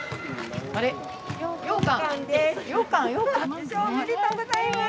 受賞おめでとうございます！